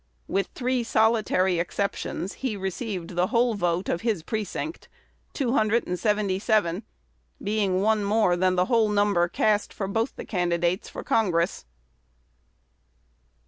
With three solitary exceptions, he received the whole vote of his precinct, two hundred and seventy seven, being one more than the whole number cast for both the candidates for Congress.